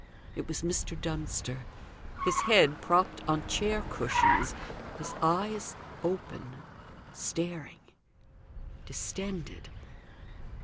It was Mr. Dunster; his head propped on chair cushions, his eyes open, staring, distended.